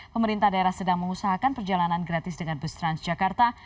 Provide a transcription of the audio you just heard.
pemerintah daerah sedang mengusahakan perjalanan gratis dengan bus transjakarta